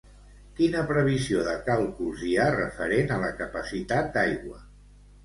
Quina previsió de càlculs hi ha referent a la capacitat d'aigua?